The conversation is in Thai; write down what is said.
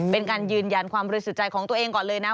เป็นการยืนยันความบริสุทธิ์ใจของตัวเองก่อนเลยนะ